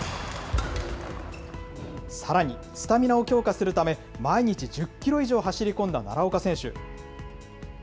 さらに、スタミナを強化するため、毎日１０キロ以上走り込んだ奈良岡選手。